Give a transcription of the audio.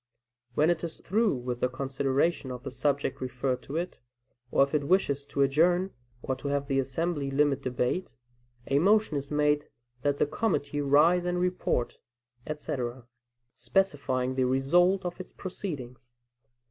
When it is through with the consideration of the subject referred to it, or if it wishes to adjourn, or to have the assembly limit debate, a motion is made that "the committee rise and report," etc., specifying the result of its proceedings.